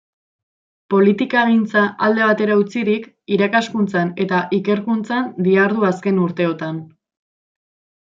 Politikagintza alde batera utzirik, irakaskuntzan eta ikerkuntzan dihardu azken urteotan.